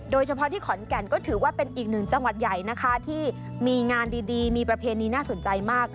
โดยเฉพาะที่ขอนแก่นก็ถือว่าเป็นอีกหนึ่งจังหวัดใหญ่นะคะที่มีงานดีมีประเพณีน่าสนใจมาก